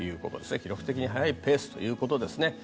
記録的に早いペースということですね。